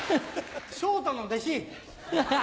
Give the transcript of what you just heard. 昇太の弟子！